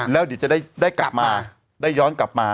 แล้วเดี๋ยวจะได้กลับมาได้ย้อนกลับมา